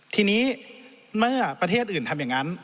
ทีนี้เมื่อประเทศอื่นทำอย่างนั้น